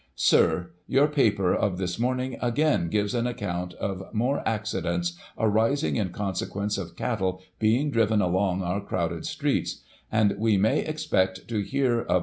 Sir, — ^Your paper of this morning again gives an account of more accidents arising in consequence of cattle being driven along our crowded streets, and we may expect to hear of The Bull Fight of Smithfield.